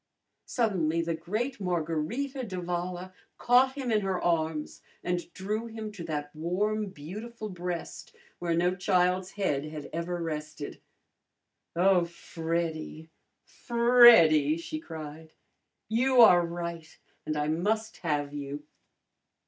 Suddenly the great Margarita d'Avala caught him in her arms and drew him to that warm, beautiful breast where no child's head had ever rested. "Oh, Freddy, Freddy!" she cried. "You are right, and I must have you!"